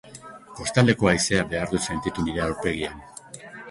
Kostaldeko haizea behar dut sentitu nire aurpegian,